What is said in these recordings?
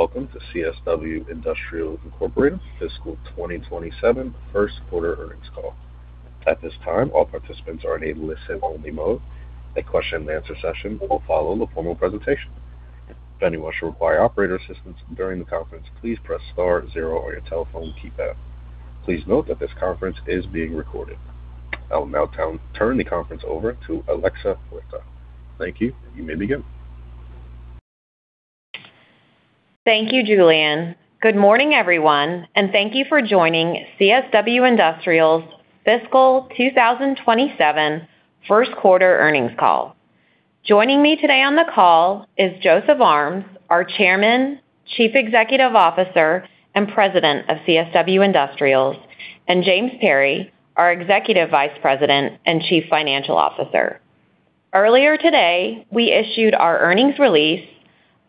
Welcome to CSW Industrials Incorporated Fiscal 2027 first quarter earnings call. At this time, all participants are in a listen-only mode. A question-and-answer session will follow the formal presentation. If anyone should require operator assistance during the conference, please press star zero on your telephone keypad. Please note that this conference is being recorded. I will now turn the conference over to Alexa Huerta. Thank you. You may begin. Thank you, Julian. Good morning, everyone, and thank you for joining CSW Industrials' Fiscal 2027 first quarter earnings call. Joining me today on the call is Joseph Armes, our Chairman, Chief Executive Officer, and President of CSW Industrials, and James Perry, our Executive Vice President and Chief Financial Officer. Earlier today, we issued our earnings release,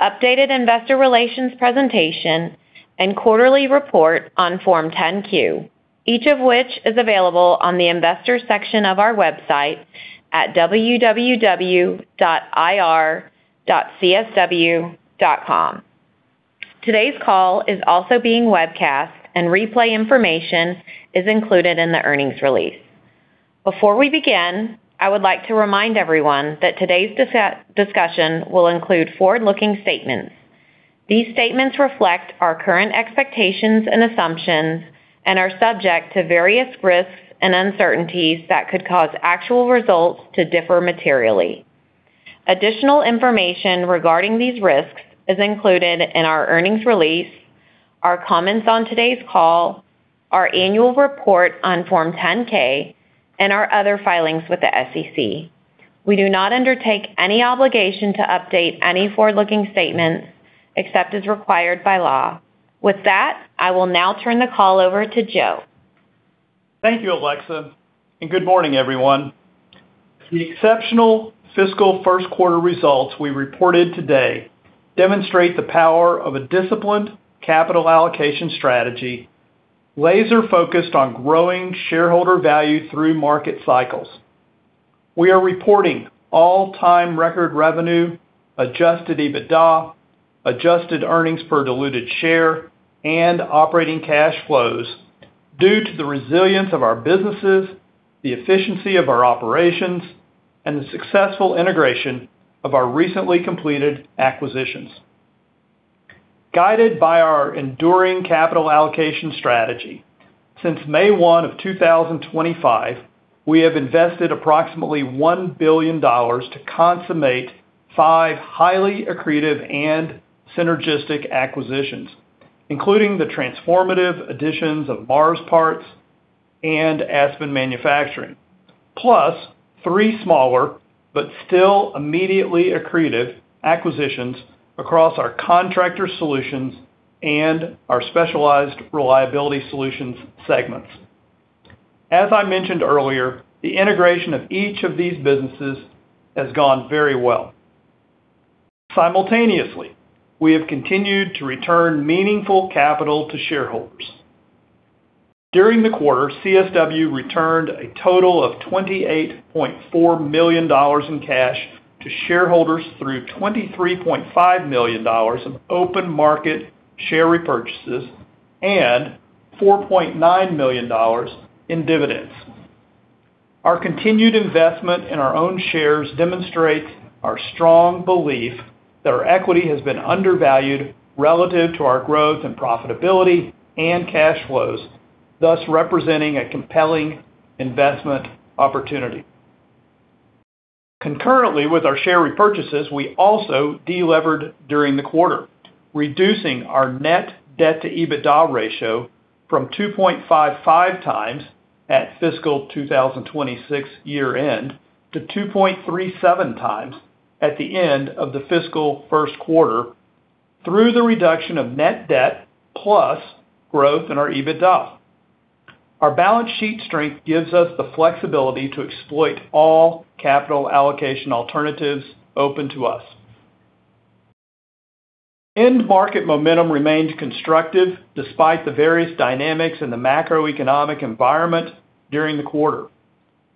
updated investor relations presentation, and quarterly report on Form 10-Q, each of which is available on the investors section of our website at www.ir.csw.com. Today's call is also being webcast, and replay information is included in the earnings release. Before we begin, I would like to remind everyone that today's discussion will include forward-looking statements. These statements reflect our current expectations and assumptions and are subject to various risks and uncertainties that could cause actual results to differ materially. Additional information regarding these risks is included in our earnings release, our comments on today's call, our annual report on Form 10-K, and our other filings with the SEC. We do not undertake any obligation to update any forward-looking statements except as required by law. With that, I will now turn the call over to Joe. Thank you, Alexa, and good morning, everyone. The exceptional fiscal first quarter results we reported today demonstrate the power of a disciplined capital allocation strategy, laser-focused on growing shareholder value through market cycles. We are reporting all-time record revenue, adjusted EBITDA, adjusted earnings per diluted share, and operating cash flows due to the resilience of our businesses, the efficiency of our operations, and the successful integration of our recently completed acquisitions. Guided by our enduring capital allocation strategy, since May 1st of 2025, we have invested approximately $1 billion to consummate five highly accretive and synergistic acquisitions, including the transformative additions of MARS Parts and Aspen Manufacturing, plus three smaller but still immediately accretive acquisitions across our Contractor Solutions and our Specialized Reliability Solutions segments. As I mentioned earlier, the integration of each of these businesses has gone very well. Simultaneously, we have continued to return meaningful capital to shareholders. During the quarter, CSW returned a total of $28.4 million in cash to shareholders through $23.5 million of open market share repurchases and $4.9 million in dividends. Our continued investment in our own shares demonstrates our strong belief that our equity has been undervalued relative to our growth and profitability and cash flows, thus representing a compelling investment opportunity. Concurrently with our share repurchases, we also delevered during the quarter, reducing our net debt to EBITDA ratio from 2.55 times at fiscal 2026 year-end to 2.37 times at the end of the fiscal first quarter through the reduction of net debt plus growth in our EBITDA. Our balance sheet strength gives us the flexibility to exploit all capital allocation alternatives open to us. End market momentum remained constructive despite the various dynamics in the macroeconomic environment during the quarter.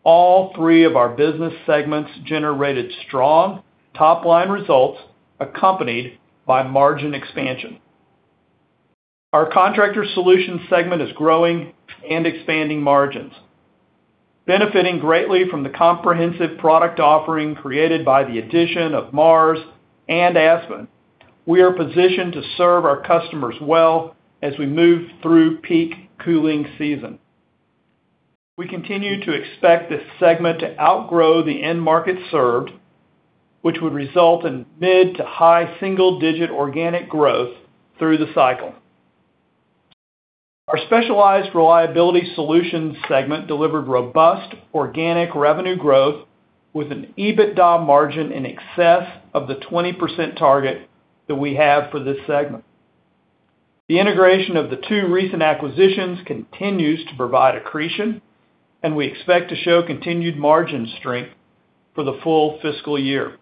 All three of our business segments generated strong top-line results accompanied by margin expansion. Our Contractor Solutions segment is growing and expanding margins. Benefiting greatly from the comprehensive product offering created by the addition of MARS and Aspen, we are positioned to serve our customers well as we move through peak cooling season. We continue to expect this segment to outgrow the end market served, which would result in mid to high single-digit organic growth through the cycle. Our Specialized Reliability Solutions segment delivered robust organic revenue growth with an EBITDA margin in excess of the 20% target that we have for this segment. The integration of the two recent acquisitions continues to provide accretion, and we expect to show continued margin strength for the full fiscal year.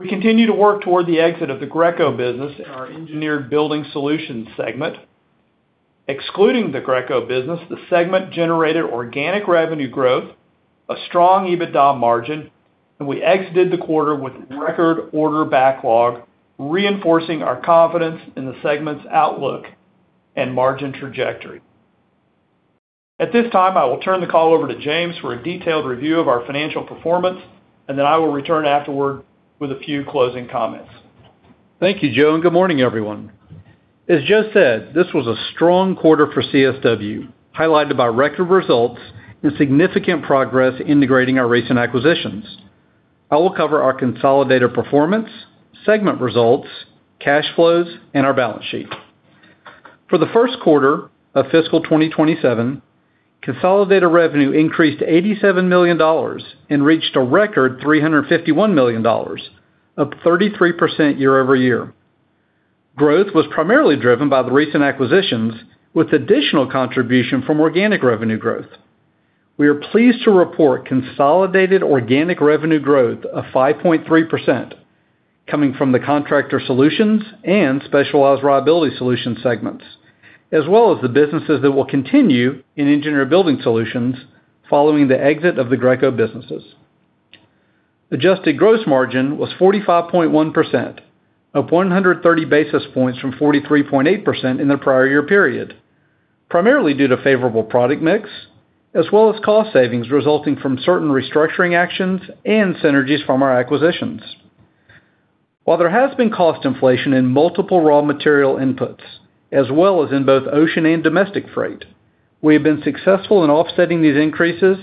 We continue to work toward the exit of the Greco business in our Engineered Building Solutions segment. Excluding the Greco business, the segment generated organic revenue growth, a strong EBITDA margin, and we exited the quarter with record order backlog, reinforcing our confidence in the segment's outlook and margin trajectory. At this time, I will turn the call over to James for a detailed review of our financial performance, and then I will return afterward with a few closing comments. Thank you, Joe, and good morning, everyone. As Joe said, this was a strong quarter for CSW, highlighted by record results and significant progress integrating our recent acquisitions. I will cover our consolidated performance, segment results, cash flows, and our balance sheet. For the first quarter of fiscal 2027, consolidated revenue increased $87 million and reached a record $351 million, up 33% year-over-year. Growth was primarily driven by the recent acquisitions, with additional contribution from organic revenue growth. We are pleased to report consolidated organic revenue growth of 5.3% coming from the Contractor Solutions and Specialized Reliability Solutions segments, as well as the businesses that will continue in Engineered Building Solutions following the exit of the Greco businesses. Adjusted gross margin was 45.1%, up 130 basis points from 43.8% in the prior year period, primarily due to favorable product mix, as well as cost savings resulting from certain restructuring actions and synergies from our acquisitions. While there has been cost inflation in multiple raw material inputs, as well as in both ocean and domestic freight, we have been successful in offsetting these increases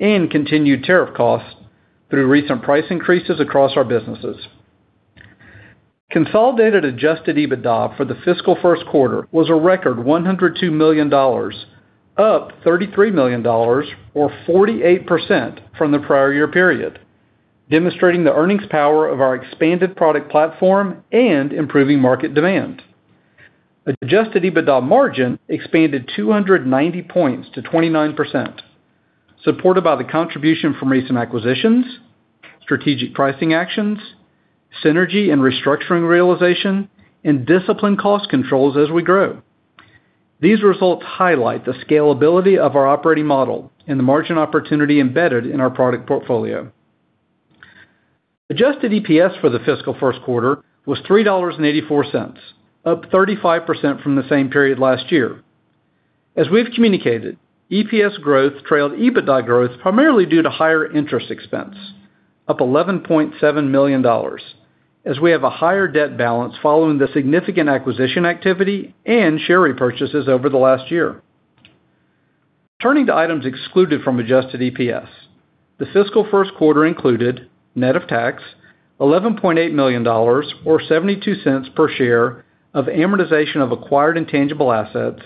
and continued tariff costs through recent price increases across our businesses. Consolidated adjusted EBITDA for the fiscal first quarter was a record $102 million, up $33 million, or 48%, from the prior year period, demonstrating the earnings power of our expanded product platform and improving market demand. Adjusted EBITDA margin expanded 290 points to 29%, supported by the contribution from recent acquisitions, strategic pricing actions, synergy and restructuring realization, and disciplined cost controls as we grow. These results highlight the scalability of our operating model and the margin opportunity embedded in our product portfolio. Adjusted EPS for the fiscal first quarter was $3.84, up 35% from the same period last year. As we've communicated, EPS growth trailed EBITDA growth primarily due to higher interest expense, up $11.7 million, as we have a higher debt balance following the significant acquisition activity and share repurchases over the last year. Turning to items excluded from adjusted EPS, the fiscal first quarter included net of tax, $11.8 million, or $0.72 per share of amortization of acquired intangible assets,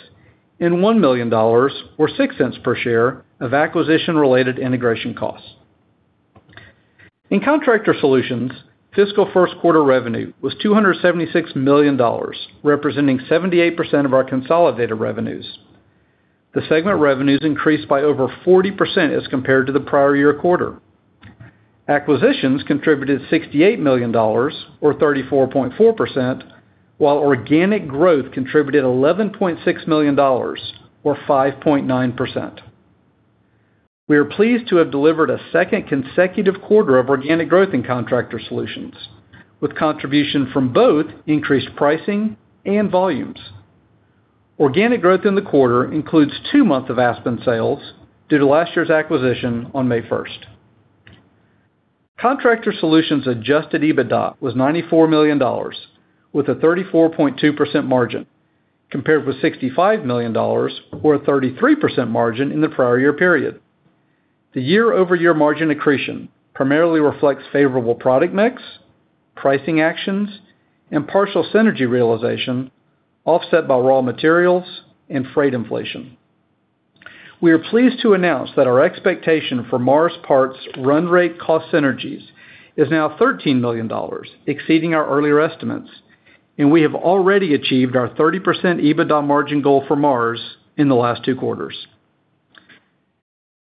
and $1 million, or $0.06 per share, of acquisition-related integration costs. In Contractor Solutions, fiscal first quarter revenue was $276 million, representing 78% of our consolidated revenues. The segment revenues increased by over 40% as compared to the prior year quarter. Acquisitions contributed $68 million, or 34.4%, while organic growth contributed $11.6 million or 5.9%. We are pleased to have delivered a second consecutive quarter of organic growth in Contractor Solutions, with contribution from both increased pricing and volumes. Organic growth in the quarter includes two months of Aspen sales due to last year's acquisition on May 1st. Contractor Solutions adjusted EBITDA was $94 million with a 34.2% margin, compared with $65 million, or a 33% margin in the prior year period. The year-over-year margin accretion primarily reflects favorable product mix, pricing actions, and partial synergy realization, offset by raw materials and freight inflation. We are pleased to announce that our expectation for MARS Parts run rate cost synergies is now $13 million, exceeding our earlier estimates, and we have already achieved our 30% EBITDA margin goal for MARS in the last two quarters.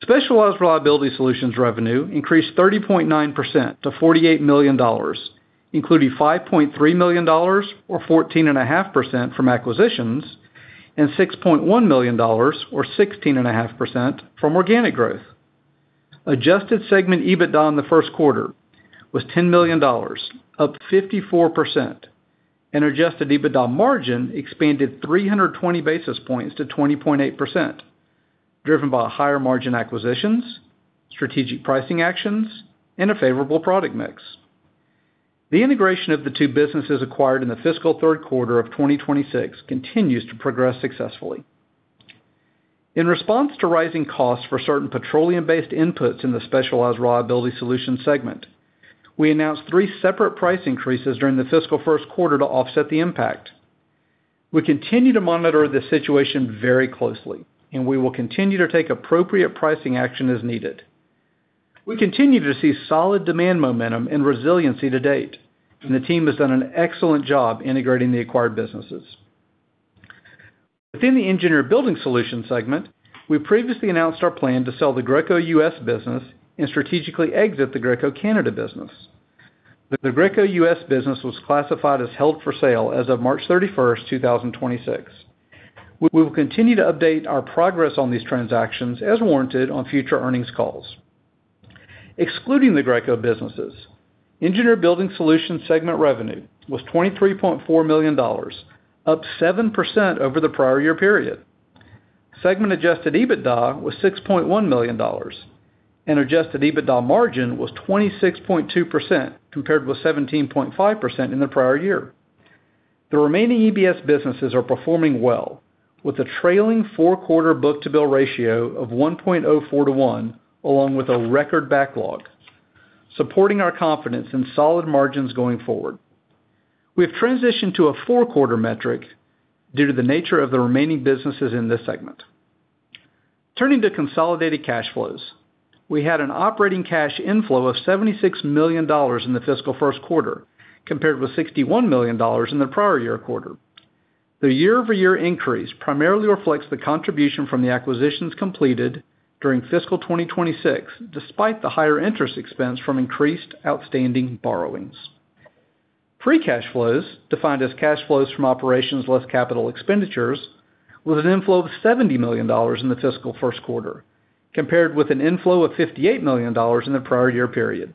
Specialized Reliability Solutions revenue increased 30.9% to $48 million, including $5.3 million or 14.5% from acquisitions, and $6.1 million or 16.5% from organic growth. Adjusted segment EBITDA in the first quarter was $10 million, up 54%, and adjusted EBITDA margin expanded 320 basis points to 20.8%, driven by higher margin acquisitions, strategic pricing actions, and a favorable product mix. The integration of the two businesses acquired in the fiscal third quarter of 2026 continues to progress successfully. In response to rising costs for certain petroleum-based inputs in the Specialized Reliability Solutions segment, we announced three separate price increases during the fiscal first quarter to offset the impact. We continue to monitor the situation very closely, and we will continue to take appropriate pricing action as needed. We continue to see solid demand momentum and resiliency to date, and the team has done an excellent job integrating the acquired businesses. Within the Engineered Building Solutions segment, we previously announced our plan to sell the Greco US business and strategically exit the Greco Canada business. The Greco US business was classified as held for sale as of March 31, 2026. We will continue to update our progress on these transactions as warranted on future earnings calls. Excluding the Greco businesses, Engineered Building Solutions segment revenue was $23.4 million, up 7% over the prior year period. Segment adjusted EBITDA was $6.1 million and adjusted EBITDA margin was 26.2%, compared with 17.5% in the prior year. The remaining EBS businesses are performing well with a trailing four-quarter book-to-bill ratio of 1.04:1, along with a record backlog, supporting our confidence in solid margins going forward. We have transitioned to a four-quarter metric due to the nature of the remaining businesses in this segment. Turning to consolidated cash flows. We had an operating cash inflow of $76 million in the fiscal first quarter, compared with $61 million in the prior year quarter. The year-over-year increase primarily reflects the contribution from the acquisitions completed during fiscal 2026, despite the higher interest expense from increased outstanding borrowings. Free cash flows defined as cash flows from operations less capital expenditures, with an inflow of $70 million in the fiscal first quarter, compared with an inflow of $58 million in the prior year period.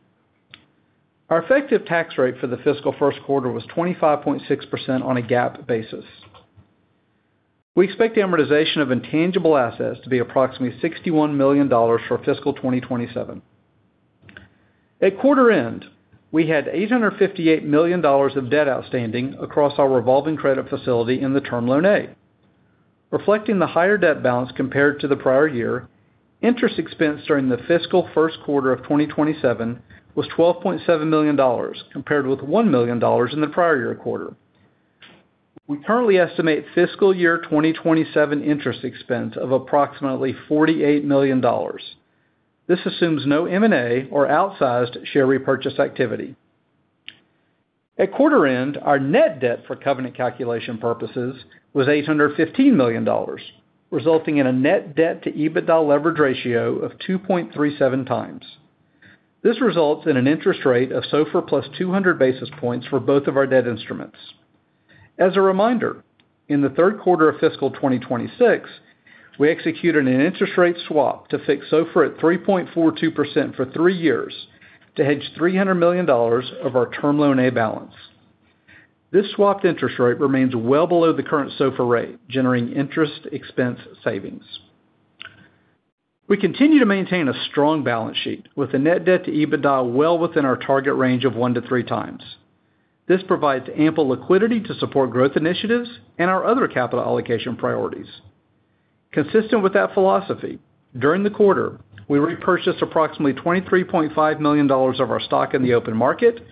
Our effective tax rate for the fiscal first quarter was 25.6% on a GAAP basis. We expect the amortization of intangible assets to be approximately $61 million for fiscal 2027. At quarter end, we had $858 million of debt outstanding across our revolving credit facility in the Term Loan A. Reflecting the higher debt balance compared to the prior year, interest expense during the fiscal first quarter of 2027 was $12.7 million, compared with $1 million in the prior year quarter. We currently estimate fiscal year 2027 interest expense of approximately $48 million. This assumes no M&A or outsized share repurchase activity. At quarter end, our net debt for covenant calculation purposes was $815 million, resulting in a net debt to EBITDA leverage ratio of 2.37 times. This results in an interest rate of SOFR plus 200 basis points for both of our debt instruments. As a reminder, in the third quarter of fiscal 2026, we executed an interest rate swap to fix SOFR at 3.42% for three years to hedge $300 million of our Term Loan A balance. This swapped interest rate remains well below the current SOFR rate, generating interest expense savings. We continue to maintain a strong balance sheet with the net debt to EBITDA well within our target range of one to three times. This provides ample liquidity to support growth initiatives and our other capital allocation priorities. Consistent with that philosophy, during the quarter, we repurchased approximately $23.5 million of our stock in the open market,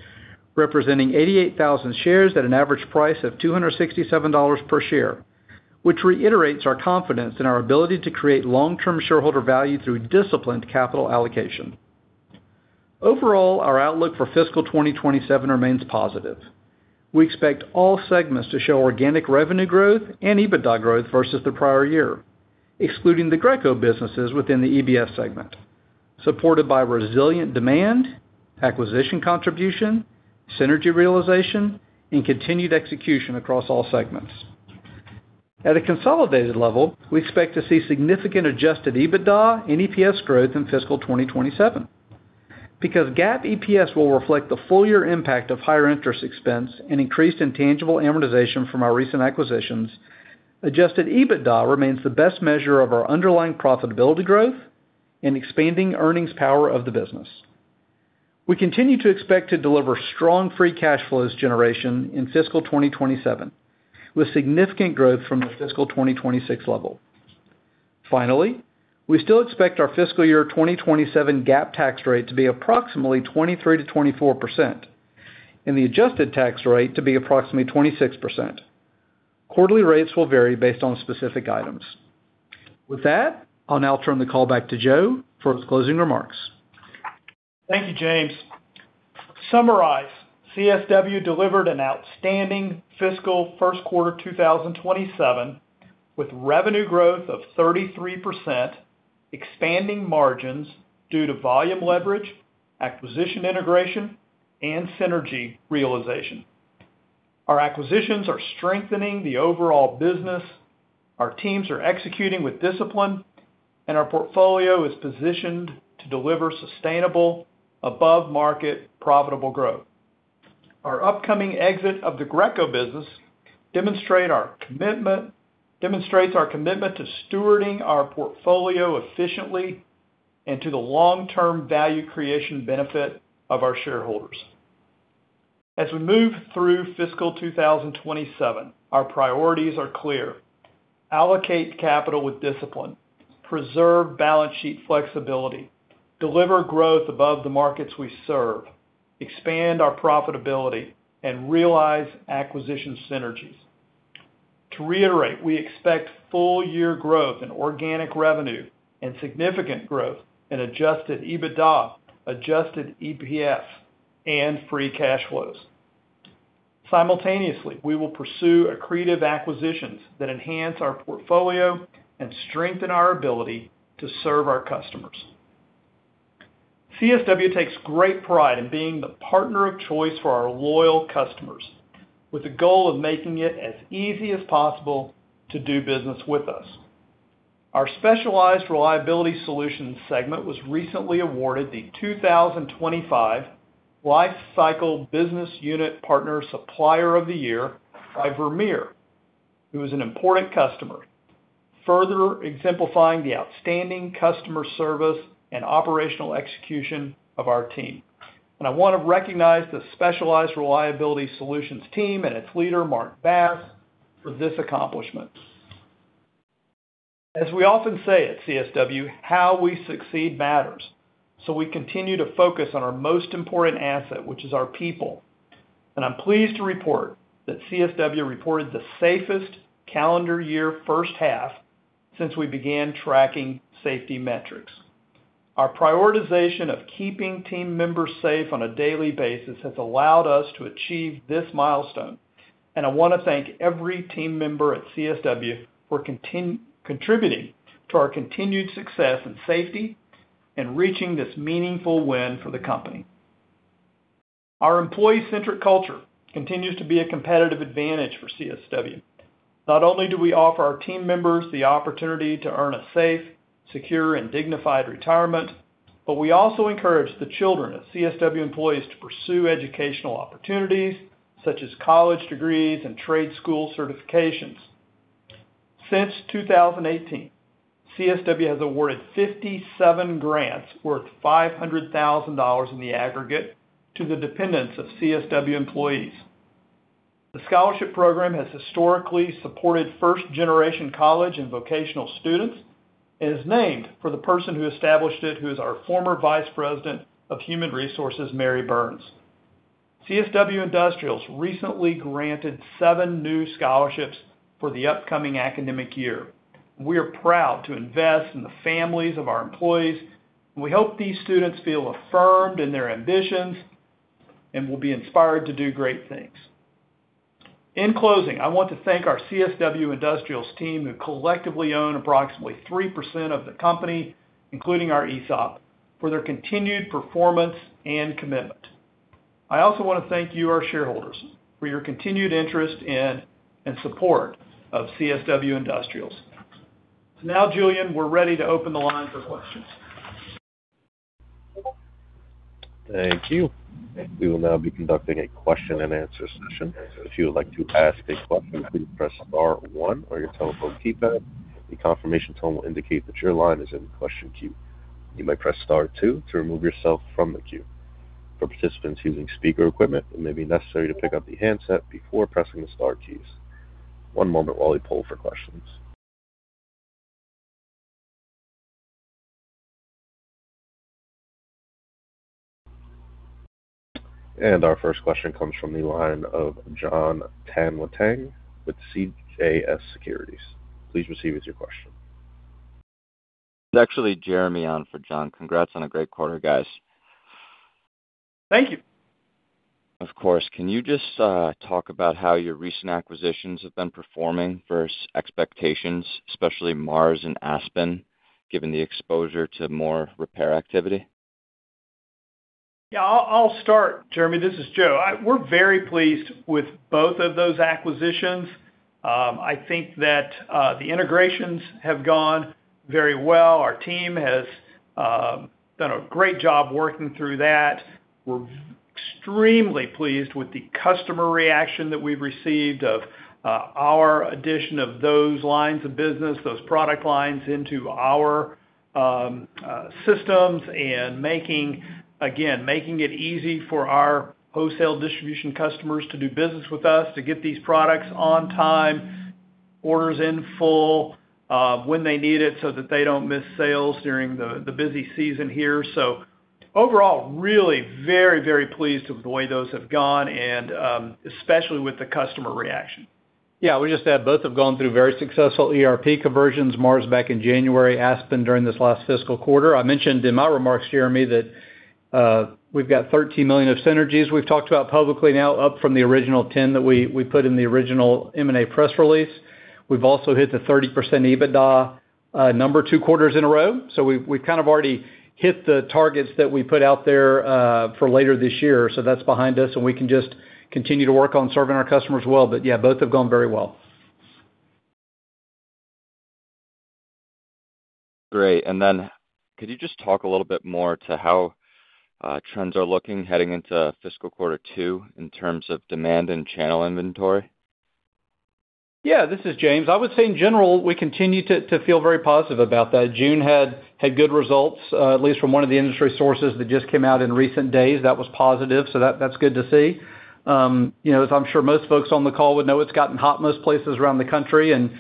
representing 88,000 shares at an average price of $267 per share, which reiterates our confidence in our ability to create long-term shareholder value through disciplined capital allocation. Overall, our outlook for fiscal 2027 remains positive. We expect all segments to show organic revenue growth and EBITDA growth versus the prior year, excluding the Greco businesses within the EBS segment, supported by resilient demand, acquisition contribution, synergy realization, and continued execution across all segments. At a consolidated level, we expect to see significant adjusted EBITDA and EPS growth in fiscal 2027. Because GAAP EPS will reflect the full-year impact of higher interest expense and increased intangible amortization from our recent acquisitions, adjusted EBITDA remains the best measure of our underlying profitability growth and expanding earnings power of the business. We continue to expect to deliver strong free cash flows generation in fiscal 2027, with significant growth from the fiscal 2026 level. Finally, we still expect our fiscal year 2027 GAAP tax rate to be approximately 23%-24%, and the adjusted tax rate to be approximately 26%. Quarterly rates will vary based on specific items. With that, I'll now turn the call back to Joe for his closing remarks. Thank you, James. To summarize, CSW delivered an outstanding fiscal first quarter 2027 with revenue growth of 33%, expanding margins due to volume leverage, acquisition integration, and synergy realization. Our acquisitions are strengthening the overall business, our teams are executing with discipline, and our portfolio is positioned to deliver sustainable above-market profitable growth. Our upcoming exit of the Greco business demonstrates our commitment to stewarding our portfolio efficiently and to the long-term value creation benefit of our shareholders. As we move through fiscal 2027, our priorities are clear: allocate capital with discipline, preserve balance sheet flexibility, deliver growth above the markets we serve, expand our profitability, and realize acquisition synergies. To reiterate, we expect full-year growth in organic revenue and significant growth in adjusted EBITDA, adjusted EPS, and free cash flows. Simultaneously, we will pursue accretive acquisitions that enhance our portfolio and strengthen our ability to serve our customers. CSW takes great pride in being the partner of choice for our loyal customers, with the goal of making it as easy as possible to do business with us. Our Specialized Reliability Solutions segment was recently awarded the 2025 Lifecycle Business Unit Partner Supplier of the Year by Vermeer, who is an important customer, further exemplifying the outstanding customer service and operational execution of our team. I want to recognize the Specialized Reliability Solutions team and its leader, Mark Bass, for this accomplishment. As we often say at CSW, how we succeed matters. We continue to focus on our most important asset, which is our people. I'm pleased to report that CSW reported the safest calendar year first half since we began tracking safety metrics. Our prioritization of keeping team members safe on a daily basis has allowed us to achieve this milestone, I want to thank every team member at CSW for contributing to our continued success and safety in reaching this meaningful win for the company. Our employee-centric culture continues to be a competitive advantage for CSW. Not only do we offer our team members the opportunity to earn a safe, secure, and dignified retirement, but we also encourage the children of CSW employees to pursue educational opportunities, such as college degrees and trade school certifications. Since 2018, CSW has awarded 57 grants worth $500,000 in the aggregate to the dependents of CSW employees. The scholarship program has historically supported first-generation college and vocational students and is named for the person who established it, who is our former vice president of human resources, Mary Burns. CSW Industrials recently granted seven new scholarships for the upcoming academic year. We are proud to invest in the families of our employees. We hope these students feel affirmed in their ambitions and will be inspired to do great things. In closing, I want to thank our CSW Industrials team, who collectively own approximately 3% of the company, including our ESOP, for their continued performance and commitment. I also want to thank you, our shareholders, for your continued interest in and support of CSW Industrials. Now, Julian, we're ready to open the line for questions. Thank you. We will now be conducting a question-and-answer session. If you would like to ask a question, please press star one on your telephone keypad. A confirmation tone will indicate that your line is in question queue. You may press star two to remove yourself from the queue. For participants using speaker equipment, it may be necessary to pick up the handset before pressing the star keys. One moment while we poll for questions. Our first question comes from the line of Jon Tanwanteng with CJS Securities. Please proceed with your question. It's actually Jeremy on for Jon. Congrats on a great quarter, guys. Thank you. Of course. Can you just talk about how your recent acquisitions have been performing versus expectations, especially MARS and Aspen, given the exposure to more repair activity? Yeah. I'll start, Jeremy. This is Joe. We're very pleased with both of those acquisitions. I think that the integrations have gone very well. Our team has done a great job working through that. We're extremely pleased with the customer reaction that we've received of our addition of those lines of business, those product lines into our systems and making, again, making it easy for our wholesale distribution customers to do business with us to get these products on time, orders in full, when they need it so that they don't miss sales during the busy season here. Overall, really very, very pleased with the way those have gone and especially with the customer reaction. Yeah. I would just add both have gone through very successful ERP conversions. MARS back in January, Aspen during this last fiscal quarter. I mentioned in my remarks, Jeremy, that we've got $13 million of synergies we've talked about publicly now, up from the original $10 that we put in the original M&A press release. We've also hit the 30% EBITDA number two quarters in a row. We've kind of already hit the targets that we put out there for later this year. That's behind us, and we can just continue to work on serving our customers well. Yeah, both have gone very well. Great. Could you just talk a little bit more to how trends are looking heading into fiscal quarter two in terms of demand and channel inventory? Yeah. This is James. I would say in general, we continue to feel very positive about that. June had good results, at least from one of the industry sources that just came out in recent days. That was positive, that's good to see. As I'm sure most folks on the call would know, it's gotten hot most places around the country, and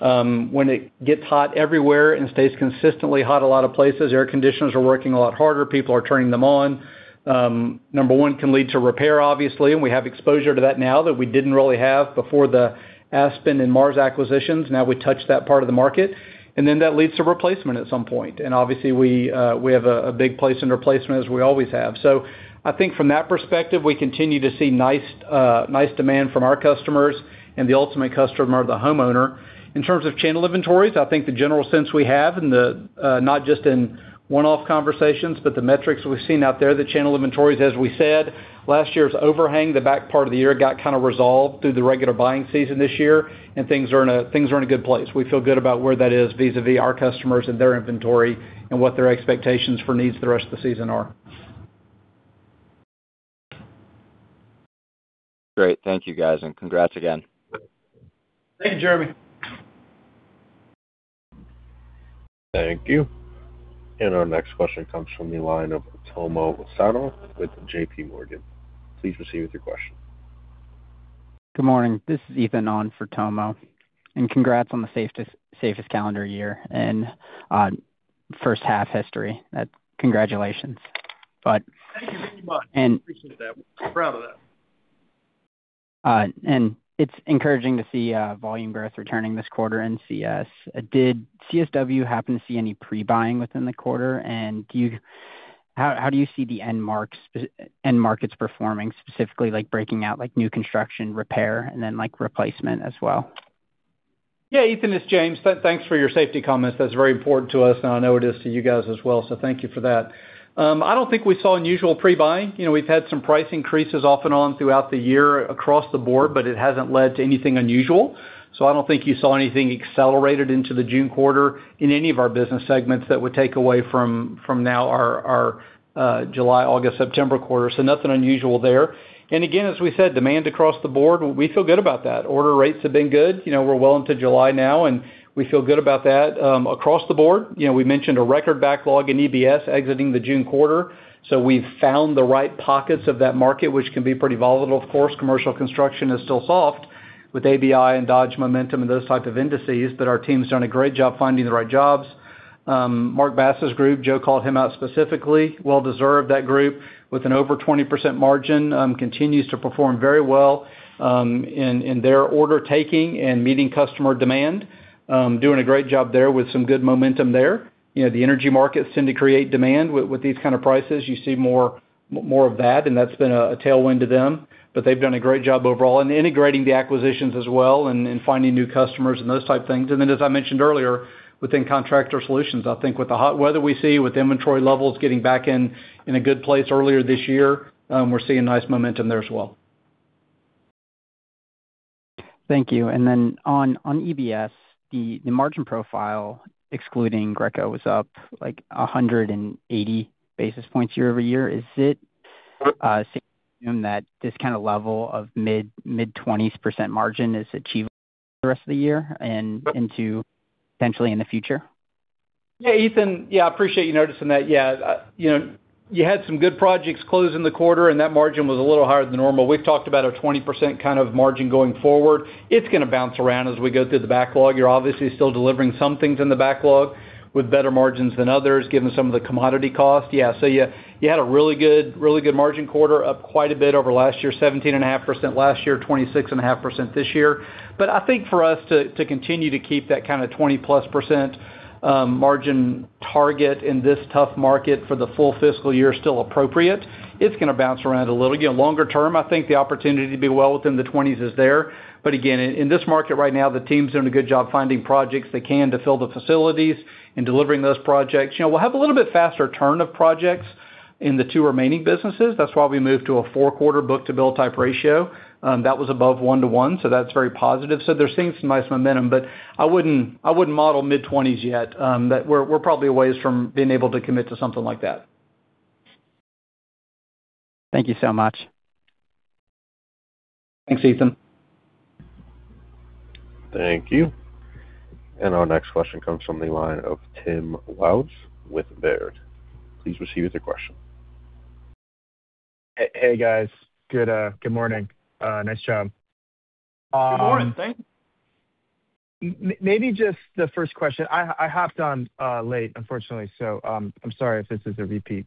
when it gets hot everywhere and stays consistently hot a lot of places, air conditioners are working a lot harder. People are turning them on. Number one can lead to repair, obviously, and we have exposure to that now that we didn't really have before the Aspen and MARS acquisitions. Now we touch that part of the market, and then that leads to replacement at some point. Obviously we have a big place in replacement, as we always have. I think from that perspective, we continue to see nice demand from our customers, and the ultimate customer, the homeowner. In terms of channel inventories, I think the general sense we have, not just in one-off conversations, but the metrics we've seen out there, the channel inventories, as we said, last year's overhang, the back part of the year got kind of resolved through the regular buying season this year, and things are in a good place. We feel good about where that is vis-a-vis our customers and their inventory and what their expectations for needs the rest of the season are. Great. Thank you, guys, and congrats again. Thank you, Jeremy. Thank you. Our next question comes from the line of Tomo Sano with JPMorgan. Please proceed with your question. Good morning. This is Ethan on for Tomo. Congrats on the safest calendar year and first half history. Congratulations. Thank you very much. Appreciate that. We're proud of that. It's encouraging to see volume growth returning this quarter in CS. Did CSW happen to see any pre-buying within the quarter? How do you see the end markets performing, specifically, like breaking out like new construction, repair, and then replacement as well? Yeah, Ethan, it's James. Thanks for your safety comments. That's very important to us, and I know it is to you guys as well. Thank you for that. I don't think we saw unusual pre-buying. We've had some price increases off and on throughout the year across the board, but it hasn't led to anything unusual. I don't think you saw anything accelerated into the June quarter in any of our business segments that would take away from now our July, August, September quarter. Nothing unusual there. Again, as we said, demand across the board, we feel good about that. Order rates have been good. We're well into July now, and we feel good about that. Across the board, we mentioned a record backlog in EBS exiting the June quarter. We've found the right pockets of that market, which can be pretty volatile, of course. Commercial construction is still soft with ABI and Dodge momentum and those type of indices. Our team's done a great job finding the right jobs. Mark Bass' group, Joe called him out specifically, well deserved, that group, with an over 20% margin, continues to perform very well in their order taking and meeting customer demand. Doing a great job there with some good momentum there. The energy markets tend to create demand with these kind of prices. You see more of that, and that's been a tailwind to them. They've done a great job overall in integrating the acquisitions as well and in finding new customers and those type things. As I mentioned earlier, within Contractor Solutions, I think with the hot weather we see, with inventory levels getting back in a good place earlier this year, we're seeing nice momentum there as well. Thank you. On EBS, the margin profile, excluding Greco, was up 180 basis points year-over-year. Is it safe to assume that this kind of level of mid-20% margin is achievable the rest of the year and into potentially in the future? Yeah, Ethan. I appreciate you noticing that. You had some good projects close in the quarter, and that margin was a little higher than normal. We've talked about a 20% kind of margin going forward. It's going to bounce around as we go through the backlog. You're obviously still delivering some things in the backlog with better margins than others, given some of the commodity cost. You had a really good margin quarter, up quite a bit over last year, 17.5% last year, 26.5% this year. I think for us to continue to keep that kind of 20%+ margin target in this tough market for the full fiscal year is still appropriate. It's going to bounce around a little. Again, longer term, I think the opportunity to be well within the 20s is there. In this market right now, the team's doing a good job finding projects they can to fill the facilities and delivering those projects. We'll have a little bit faster turn of projects in the two remaining businesses. That's why we moved to a four-quarter book-to-bill type ratio. That was above one to one, so that's very positive. They're seeing some nice momentum, but I wouldn't model mid-20s yet. We're probably a ways from being able to commit to something like that. Thank you so much. Thanks, Ethan. Thank you. Our next question comes from the line of Tim Wojs with Baird. Please proceed with your question. Hey, guys. Good morning. Nice job. Good morning. Thank you. Maybe just the first question. I hopped on late, unfortunately, so I'm sorry if this is a repeat.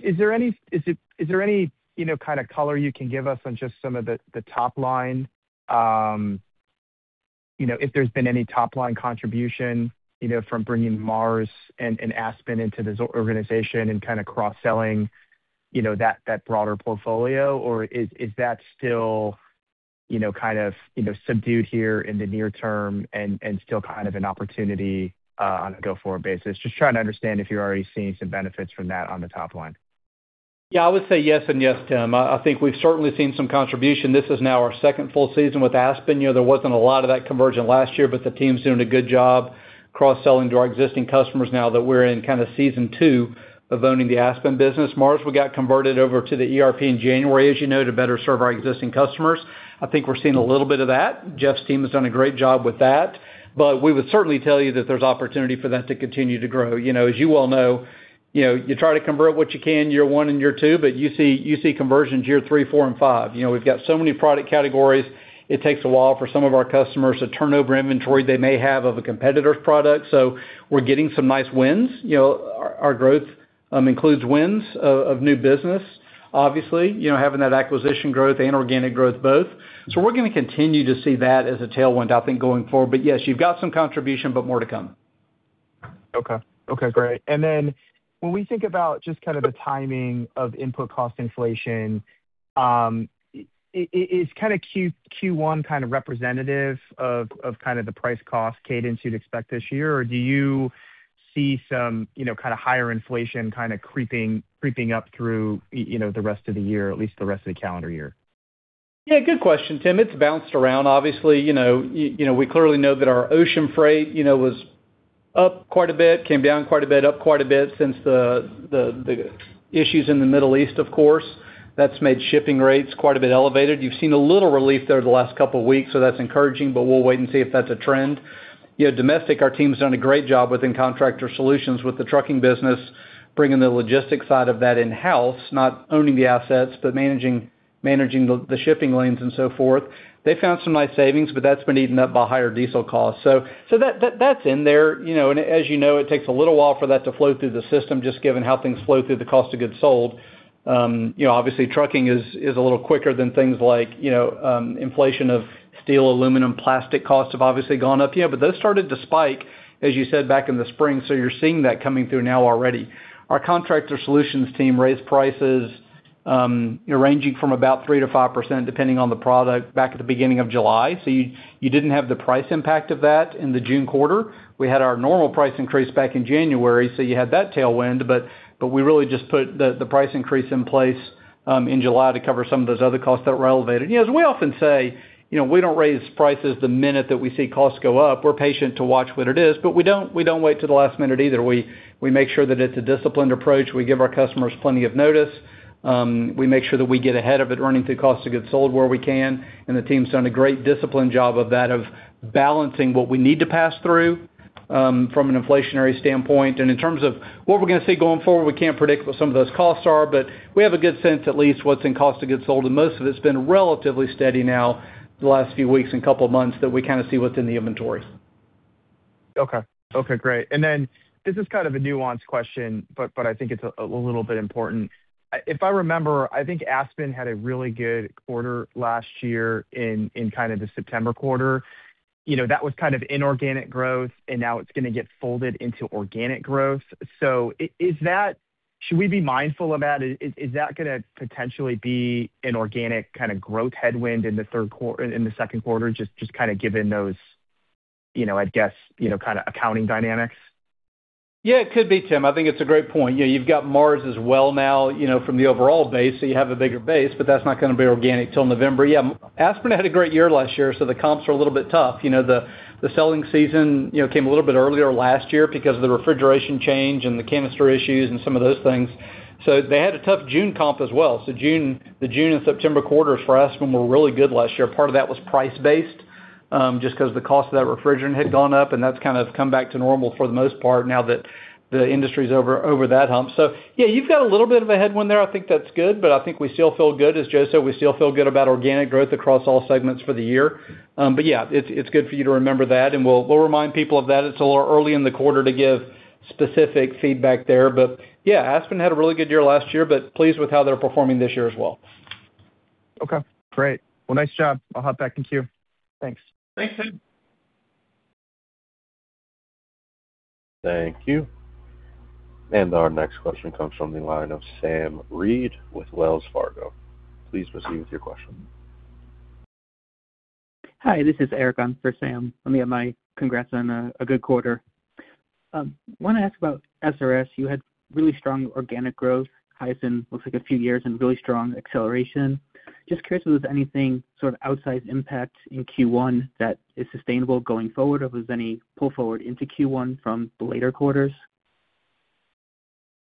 Is there any kind of color you can give us on just some of the top line? If there's been any top-line contribution from bringing MARS and Aspen into this organization and kind of cross-selling that broader portfolio, or is that still kind of subdued here in the near term and still kind of an opportunity on a go-forward basis? Just trying to understand if you're already seeing some benefits from that on the top line. Yeah, I would say yes and yes, Tim. I think we've certainly seen some contribution. This is now our second full season with Aspen. The team's doing a good job cross-selling to our existing customers now that we're in kind of season two of owning the Aspen business. MARS, we got converted over to the ERP in January, as you know, to better serve our existing customers. I think we're seeing a little bit of that. Jeff's team has done a great job with that. We would certainly tell you that there's opportunity for that to continue to grow. As you well know, you try to convert what you can year one and year two. You see conversions year three, four, and five. We've got so many product categories, it takes a while for some of our customers to turn over inventory they may have of a competitor's product. We're getting some nice wins. Our growth includes wins of new business. Obviously, having that acquisition growth and organic growth both. We're going to continue to see that as a tailwind, I think going forward. Yes, you've got some contribution, but more to come. Okay. Great. When we think about just the timing of input cost inflation, is Q1 representative of the price cost cadence you'd expect this year? Do you see some higher inflation creeping up through the rest of the year, at least the rest of the calendar year? Good question, Tim. It's bounced around, obviously. We clearly know that our ocean freight was up quite a bit, came down quite a bit, up quite a bit since the issues in the Middle East, of course. That's made shipping rates quite a bit elevated. You've seen a little relief there the last couple of weeks, so that's encouraging, but we'll wait and see if that's a trend. Domestic, our team's done a great job within Contractor Solutions with the trucking business, bringing the logistics side of that in-house, not owning the assets, but managing the shipping lanes and so forth. They found some nice savings, but that's been eaten up by higher diesel costs. That's in there. As you know, it takes a little while for that to flow through the system, just given how things flow through the cost of goods sold. Obviously, trucking is a little quicker than things like inflation of steel, aluminum, plastic costs have obviously gone up. Those started to spike, as you said, back in the spring, so you're seeing that coming through now already. Our Contractor Solutions team raised prices ranging from about 3%-5%, depending on the product, back at the beginning of July. You didn't have the price impact of that in the June quarter. We had our normal price increase back in January, so you had that tailwind, but we really just put the price increase in place in July to cover some of those other costs that were elevated. We often say, we don't raise prices the minute that we see costs go up. We're patient to watch what it is, but we don't wait till the last minute either. We make sure that it's a disciplined approach. We give our customers plenty of notice. We make sure that we get ahead of it, earning through cost of goods sold where we can, and the team's done a great disciplined job of that, of balancing what we need to pass through from an inflationary standpoint. In terms of what we're going to see going forward, we can't predict what some of those costs are, but we have a good sense at least what's in cost of goods sold, and most of it's been relatively steady now the last few weeks and couple of months that we kind of see what's in the inventories. Okay, great. This is kind of a nuanced question, but I think it's a little bit important. If I remember, I think Aspen had a really good quarter last year in the September quarter. That was kind of inorganic growth, and now it's going to get folded into organic growth. Should we be mindful of that? Is that going to potentially be an organic kind of growth headwind in the second quarter, just given those, I guess, accounting dynamics? Yeah, it could be, Tim. I think it's a great point. You've got MARS Parts as well now, from the overall base, so you have a bigger base, but that's not going to be organic till November. Yeah. Aspen had a great year last year, so the comps were a little bit tough. The selling season came a little bit earlier last year because of the refrigeration change and the canister issues and some of those things. They had a tough June comp as well. The June and September quarters for Aspen were really good last year. Part of that was price based, just because the cost of that refrigerant had gone up, and that's kind of come back to normal for the most part now that the industry's over that hump. Yeah, you've got a little bit of a headwind there. I think that's good, but I think we still feel good, as Joe said, we still feel good about organic growth across all segments for the year. Yeah, it's good for you to remember that, and we'll remind people of that. It's a little early in the quarter to give specific feedback there. Yeah, Aspen had a really good year last year, but pleased with how they're performing this year as well. Okay, great. Well, nice job. I'll hop back in queue. Thanks. Thanks, Tim. Thank you. Our next question comes from the line of Sam Reid with Wells Fargo. Please proceed with your question. Hi, this is Eric in for Sam. Let me add my congrats on a good quarter. Wanted to ask about SRS. You had really strong organic growth, highest in looks like a few years, and really strong acceleration. Just curious if there was anything sort of outsized impact in Q1 that is sustainable going forward, or was any pull forward into Q1 from the later quarters?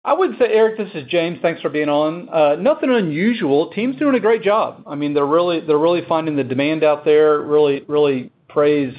I would say, Eric, this is James. Thanks for being on. Nothing unusual. Team's doing a great job. They're really finding the demand out there, really praise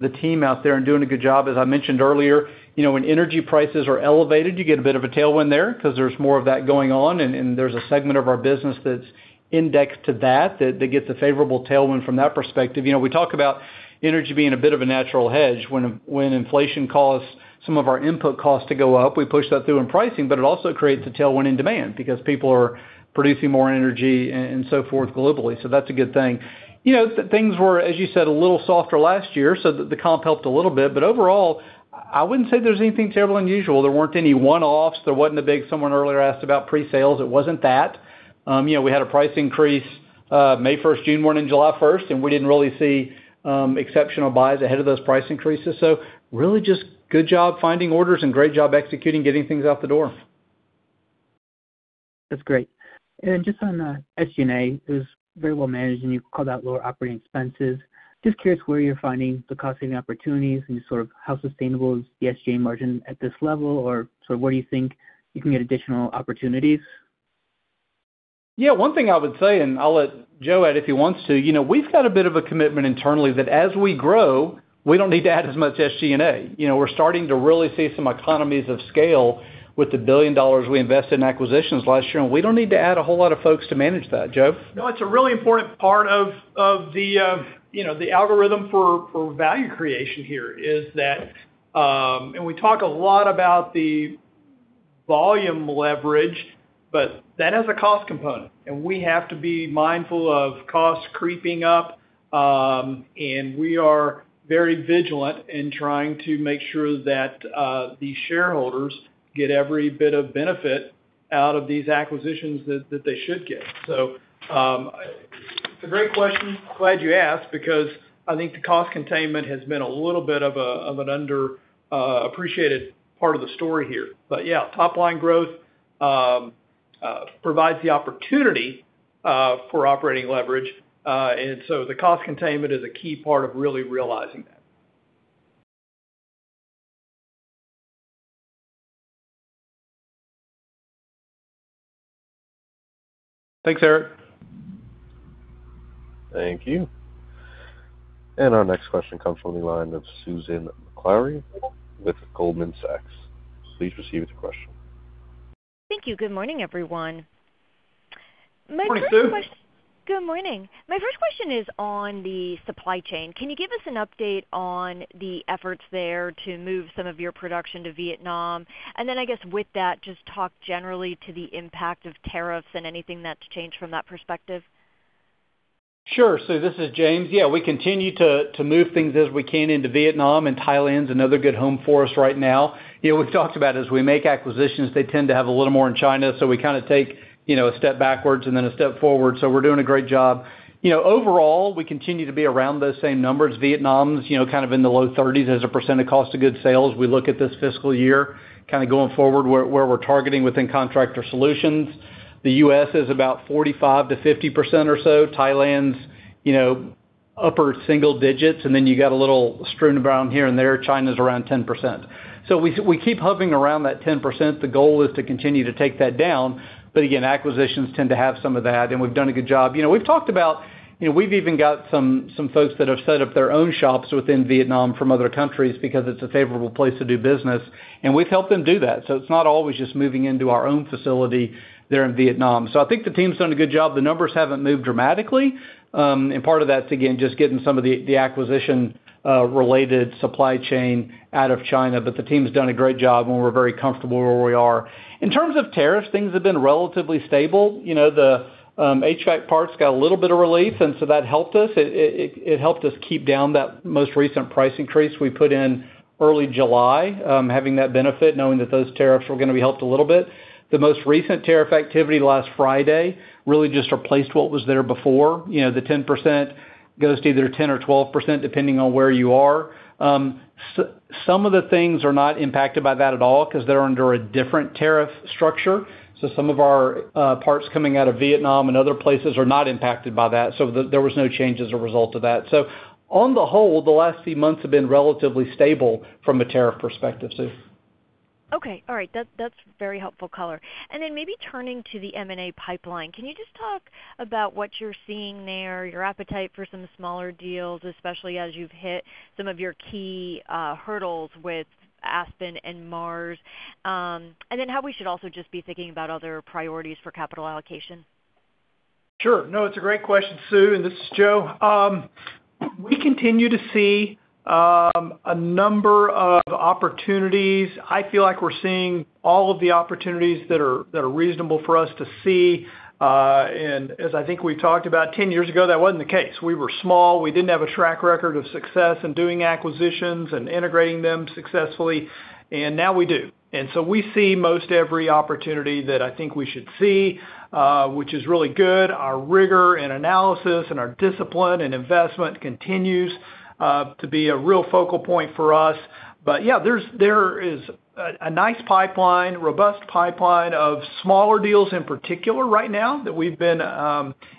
the team out there and doing a good job. As I mentioned earlier, when energy prices are elevated, you get a bit of a tailwind there because there's more of that going on, and there's a segment of our business that's indexed to that gets a favorable tailwind from that perspective. We talk about energy being a bit of a natural hedge. When inflation caused some of our input costs to go up, we pushed that through in pricing, but it also creates a tailwind in demand because people are producing more energy and so forth globally. That's a good thing. Things were, as you said, a little softer last year, so the comp helped a little bit. Overall, I wouldn't say there's anything terribly unusual. There weren't any one-offs. There wasn't a big, someone earlier asked about pre-sales. It wasn't that. We had a price increase May 1st, June 1st, and July 1st, and we didn't really see exceptional buys ahead of those price increases. Really just good job finding orders and great job executing, getting things out the door. That's great. Just on SG&A, it was very well managed, and you called out lower operating expenses. Just curious where you're finding the cost-saving opportunities and sort of how sustainable is the SG&A margin at this level, or sort of where do you think you can get additional opportunities? Yeah. One thing I would say, and I'll let Joe add if he wants to. We've got a bit of a commitment internally that as we grow, we don't need to add as much SG&A. We're starting to really see some economies of scale with the $1 billion we invested in acquisitions last year, and we don't need to add a whole lot of folks to manage that. Joe? No, it's a really important part of the algorithm for value creation here, is that, and we talk a lot about the volume leverage, but that has a cost component, and we have to be mindful of costs creeping up. We are very vigilant in trying to make sure that the shareholders get every bit of benefit out of these acquisitions that they should get. It's a great question. Glad you asked, because I think the cost containment has been a little bit of an underappreciated part of the story here. Yeah, top line growth provides the opportunity for operating leverage. The cost containment is a key part of really realizing that. Thanks, Eric. Thank you. Our next question comes from the line of Susan Maklari with Goldman Sachs. Please proceed with your question. Thank you. Good morning, everyone. Morning, Sue. Good morning. My first question is on the supply chain. Can you give us an update on the efforts there to move some of your production to Vietnam? I guess with that, just talk generally to the impact of tariffs and anything that's changed from that perspective. Sure. Sue, this is James. Yeah, we continue to move things as we can into Vietnam, and Thailand's another good home for us right now. We've talked about as we make acquisitions, they tend to have a little more in China, so we kind of take a step backwards and then a step forward. We're doing a great job. Overall, we continue to be around those same numbers. Vietnam's kind of in the low 30s as a percentage of cost of goods sales. We look at this fiscal year, kind of going forward, where we're targeting within Contractor Solutions. The U.S. is about 45%-50% or so. Thailand's upper single digits, and then you got a little strewn about here and there. China's around 10%. We keep hovering around that 10%. The goal is to continue to take that down. Acquisitions tend to have some of that, and we've done a good job. We've talked about, we've even got some folks that have set up their own shops within Vietnam from other countries because it's a favorable place to do business, and we've helped them do that. It's not always just moving into our own facility there in Vietnam. I think the team's done a good job. The numbers haven't moved dramatically, and part of that's, again, just getting some of the acquisition-related supply chain out of China. The team's done a great job, and we're very comfortable where we are. In terms of tariffs, things have been relatively stable. The HVAC parts got a little bit of relief, and so that helped us. It helped us keep down that most recent price increase we put in early July, having that benefit, knowing that those tariffs were going to be helped a little bit. The most recent tariff activity last Friday really just replaced what was there before. The 10% goes to either 10% or 12%, depending on where you are. Some of the things are not impacted by that at all because they're under a different tariff structure. Some of our parts coming out of Vietnam and other places are not impacted by that. There was no change as a result of that. On the whole, the last few months have been relatively stable from a tariff perspective, Sue. Okay. All right. That's very helpful color. Maybe turning to the M&A pipeline, can you just talk about what you're seeing there, your appetite for some smaller deals, especially as you've hit some of your key hurdles with Aspen and MARS Parts? How we should also just be thinking about other priorities for capital allocation? Sure. No, it's a great question, Sue, and this is Joe. We continue to see a number of opportunities. I feel like we're seeing all of the opportunities that are reasonable for us to see. As I think we've talked about, 10 years ago, that wasn't the case. We were small. We didn't have a track record of success in doing acquisitions and integrating them successfully, and now we do. We see most every opportunity that I think we should see, which is really good. Our rigor and analysis and our discipline and investment continues to be a real focal point for us. Yeah, there is a nice pipeline, robust pipeline of smaller deals in particular right now that we've been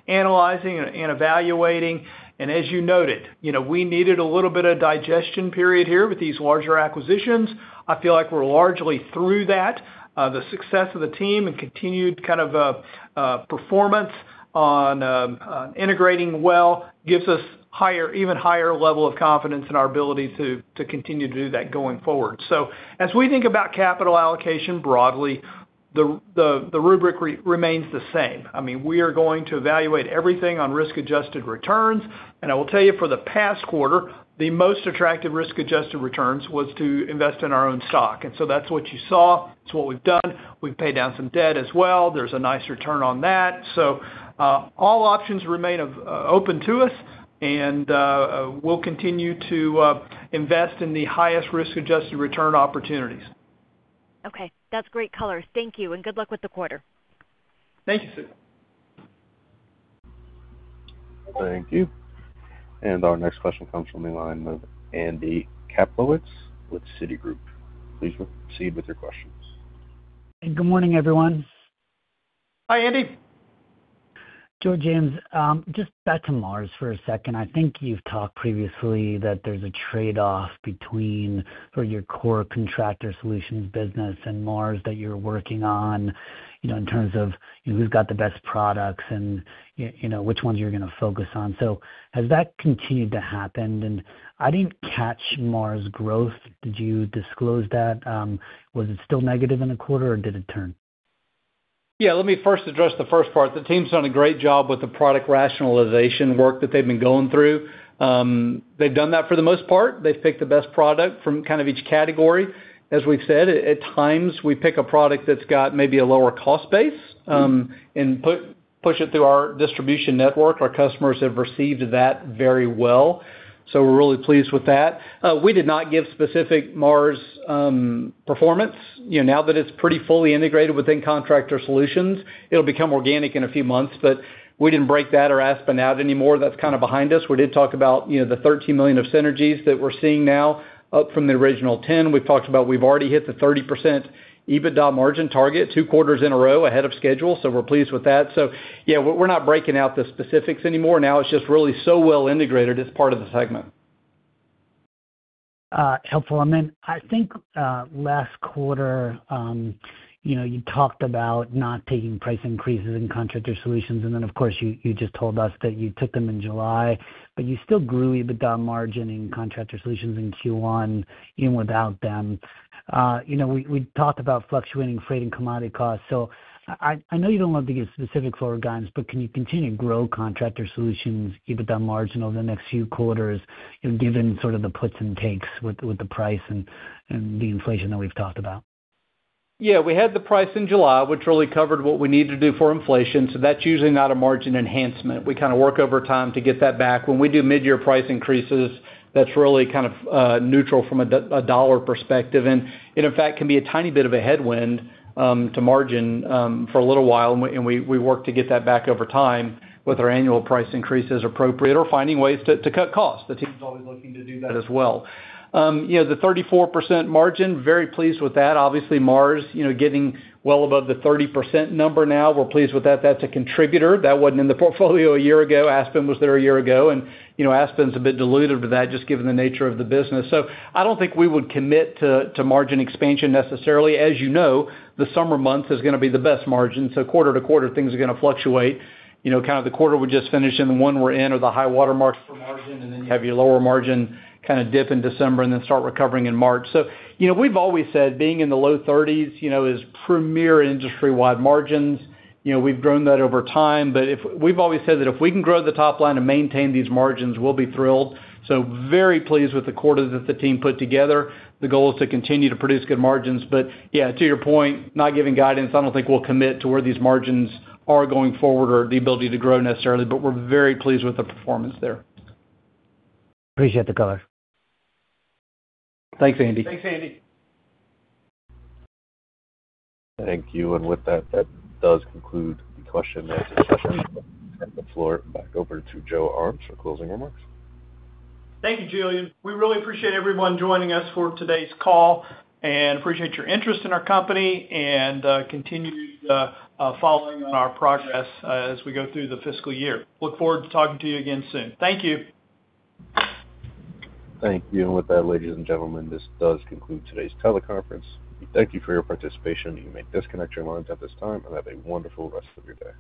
analyzing and evaluating. As you noted, we needed a little bit of digestion period here with these larger acquisitions. I feel like we're largely through that. The success of the team and continued kind of performance on integrating well gives us even higher level of confidence in our ability to continue to do that going forward. As we think about capital allocation broadly, the rubric remains the same. I mean, we are going to evaluate everything on risk-adjusted returns. I will tell you for the past quarter, the most attractive risk-adjusted returns was to invest in our own stock. That's what you saw. It's what we've done. We've paid down some debt as well. There's a nice return on that. All options remain open to us, and we'll continue to invest in the highest risk-adjusted return opportunities. Okay. That's great color. Thank you, and good luck with the quarter. Thank you, Sue. Thank you. Our next question comes from the line of Andy Kaplowitz with Citigroup. Please proceed with your questions. Good morning, everyone. Hi, Andy. Joe, James, just back to Mars for a second. I think you've talked previously that there's a trade-off between your core Contractor Solutions business and Mars that you're working on, in terms of who's got the best products and which ones you're going to focus on. Has that continued to happen? I didn't catch Mars growth. Did you disclose that? Was it still negative in a quarter, or did it turn? Yeah, let me first address the first part. The team's done a great job with the product rationalization work that they've been going through. They've done that for the most part. They've picked the best product from each category. As we've said, at times, we pick a product that's got maybe a lower cost base and push it through our distribution network. Our customers have received that very well. We're really pleased with that. We did not give specific Mars performance. Now that it's pretty fully integrated within Contractor Solutions, it'll become organic in a few months, but we didn't break that or Aspen out anymore. That's kind of behind us. We did talk about the $13 million of synergies that we're seeing now, up from the original $10. We've already hit the 30% EBITDA margin target two quarters in a row ahead of schedule. We're pleased with that. Yeah, we're not breaking out the specifics anymore. Now it's just really so well integrated, it's part of the segment. Helpful. Then I think last quarter, you talked about not taking price increases in Contractor Solutions. You just told us that you took them in July, but you still grew EBITDA margin in Contractor Solutions in Q1 even without them. We talked about fluctuating freight and commodity costs. I know you don't love to give specific forward guidance, but can you continue to grow Contractor Solutions EBITDA margin over the next few quarters, given sort of the puts and takes with the price and the inflation that we've talked about? Yeah, we had the price in July, which really covered what we needed to do for inflation. That's usually not a margin enhancement. We kind of work over time to get that back. When we do mid-year price increases, that's really kind of neutral from a dollar perspective. In fact, can be a tiny bit of a headwind to margin for a little while, and we work to get that back over time with our annual price increases appropriate or finding ways to cut costs. The team's always looking to do that as well. The 34% margin, very pleased with that. Obviously, MARS, getting well above the 30% number now. We're pleased with that. That's a contributor. That wasn't in the portfolio a year ago. Aspen was there a year ago, and Aspen's a bit dilutive to that just given the nature of the business. I don't think we would commit to margin expansion necessarily. As you know, the summer months is going to be the best margin. Quarter-to-quarter things are going to fluctuate. Kind of the quarter we just finished and the one we're in are the high-water marks for margin. Then you have your lower margin kind of dip in December and then start recovering in March. We've always said being in the low 30s is premier industry-wide margins. We've grown that over time. We've always said that if we can grow the top line and maintain these margins, we'll be thrilled. Very pleased with the quarter that the team put together. The goal is to continue to produce good margins. Yeah, to your point, not giving guidance. I don't think we'll commit to where these margins are going forward or the ability to grow necessarily, but we're very pleased with the performance there. Appreciate the color. Thanks, Andy. Thank you. With that does conclude the question-and-answer session. I'll turn the floor back over to Joe Armes for closing remarks. Thank you, Julian. We really appreciate everyone joining us for today's call. Appreciate your interest in our company and continued following on our progress as we go through the fiscal year. Look forward to talking to you again soon. Thank you. Thank you. With that, ladies and gentlemen, this does conclude today's teleconference. We thank you for your participation. You may disconnect your lines at this time, and have a wonderful rest of your day.